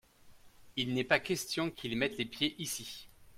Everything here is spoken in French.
il n'est pas question qu'il mette les pieds ici.